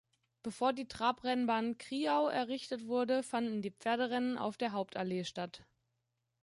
Bevor die Trabrennbahn Krieau errichtet wurde, fanden die Pferderennen auf der Hauptallee statt.